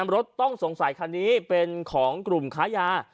รถต้องสงสัยคันนี้เป็นของกลุ่มค้ายา